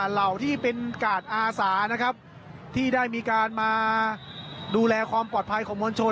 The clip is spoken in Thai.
เหล่าที่เป็นกาดอาสานะครับที่ได้มีการมาดูแลความปลอดภัยของมวลชน